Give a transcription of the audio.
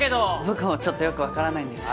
僕もちょっとよくわからないんです。